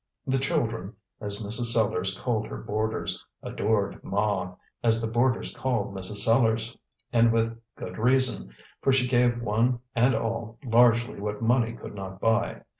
The children as Mrs. Sellars called her boarders adored "Ma," as the boarders called Mrs. Sellars, and with good reason, for she gave one and all largely what money could not buy.